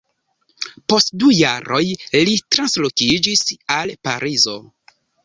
Post du jaroj li translokiĝis al Parizo.